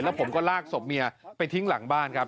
แล้วผมก็ลากศพเมียไปทิ้งหลังบ้านครับ